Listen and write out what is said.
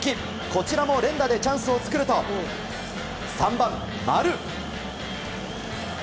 こちらも連打でチャンスを作ると３番、丸。